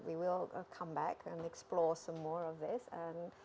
mendapatkan penipu apakah anda merasa